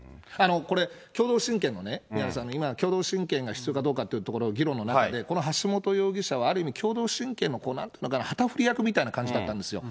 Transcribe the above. これ、共同親権のね、宮根さんの今の共同親権が必要かどうかっていう議論の中で、この橋本容疑者は、ある意味、共同親権のなんていうのかな、旗振り役みたいな感じだったんですよ。